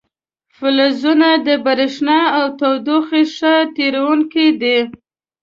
فلزونه د برېښنا او تودوخې ښه تیروونکي دي.